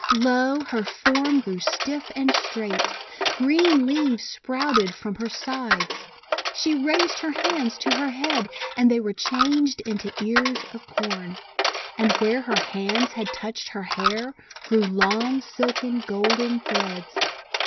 Lo! her form grew stiff and straight. Green leaves sprouted from her sides. She raised her hands to her head, and they were changed into ears of Corn. And where her hands had touched her hair, grew long, silken, golden threads.